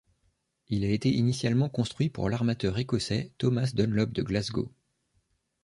Il a été initialement construit pour l'armateur écossais Thomas Dunlop de Glasgow.